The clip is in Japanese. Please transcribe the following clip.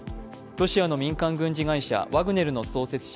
ロシアの民間軍事会社ワグネルの創始者